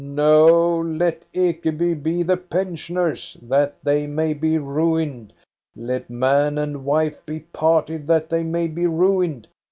No, let Ekeby be the pensioners', that they may be ruined. Let man and wife be parted, that they may be ruined